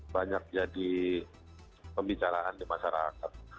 banyak jadi pembicaraan di masyarakat